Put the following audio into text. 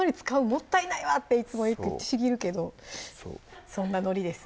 「もったいないわ」っていつも言ってちぎるけどそんなのりです